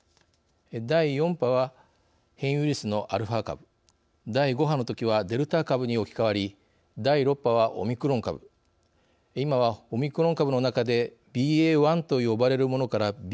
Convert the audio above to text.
第４波は、変異ウイルスのアルファ株第５波のときはデルタ株に置き換わり第６波は、オミクロン株今は、オミクロン株の中でＢＡ．１と呼ばれるものからＢＡ